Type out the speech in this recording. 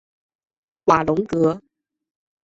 瓦龙格。